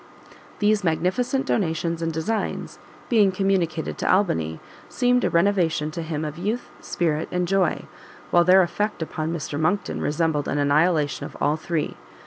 These magnificent donations and designs, being communicated to Albany, seemed a renovation to him of youth, spirit, and joy! while their effect upon Mr Monckton resembled an annihilation of all three!